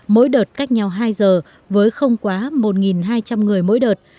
mỗi đợt cách nhau hai giờ với không quá một hai trăm linh người mỗi đợt